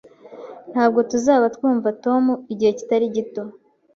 Ntabwo tuzaba twumva Tom igihe kitari gito